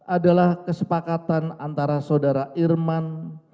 adalah kesepakatan antara saudara irman